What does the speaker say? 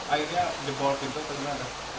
airnya jebol pintu atau gimana